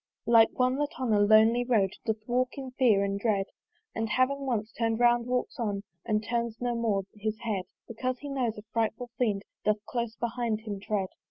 Like one, that on a lonely road Doth walk in fear and dread, And having once turn'd round, walks on And turns no more his head: Because he knows, a frightful fiend Doth close behind him tread.